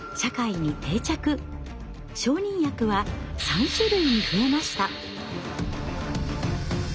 承認薬は３種類に増えました。